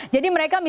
jadi mereka berpikir